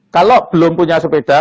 kalau belum punya sepeda